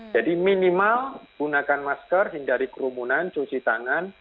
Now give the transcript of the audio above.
jadi minimal gunakan masker hindari kerumunan cuci tangan